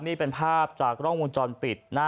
นี่เป็นภาพจากร่องมุมจรปิด